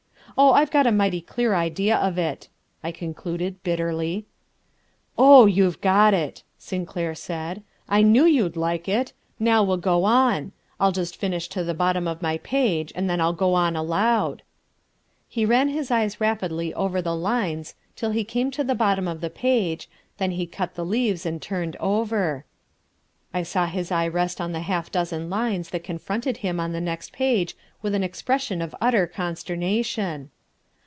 Oh, I've got a mighty clear idea of it," I concluded bitterly. "Oh, you've got it," Sinclair said, "I knew you'd like it. Now we'll go on. I'll just finish to the bottom of my page and then I'll go on aloud." He ran his eyes rapidly over the lines till he came to the bottom of the page, then he cut the leaves and turned over. I saw his eye rest on the half dozen lines that confronted him on the next page with an expression of utter consternation.